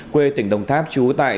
quê tỉnh đồng tháp trú tại